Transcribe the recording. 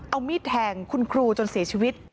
เอามีดแทงครูจนสีอาชีวิต